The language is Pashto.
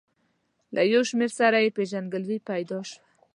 له یو شمېر سره مې پېژندګلوي پیدا شوه.